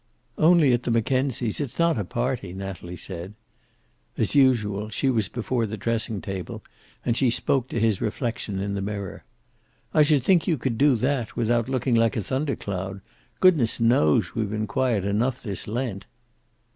"Only at the Mackenzies. It's not a party," Natalie said. As usual, she was before the dressing table, and she spoke to his reflection in the mirror. "I should think you could do that, without looking like a thunder cloud. Goodness knows we've been quiet enough this Lent."